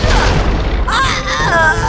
sebab apa beres